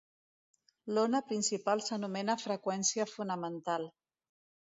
L'ona principal s'anomena freqüència fonamental.